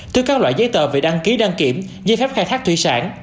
từ các loại giấy tờ về đăng ký đăng kiểm giấy phép khai thác thủy sản